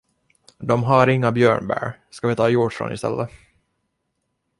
De har inga björnbär, ska vi ta hjortron istället?